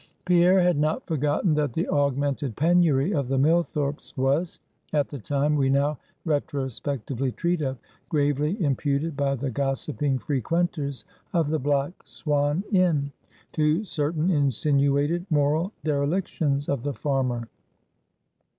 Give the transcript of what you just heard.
Pierre had not forgotten that the augmented penury of the Millthorpe's was, at the time we now retrospectively treat of, gravely imputed by the gossiping frequenters of the Black Swan Inn, to certain insinuated moral derelictions of the farmer.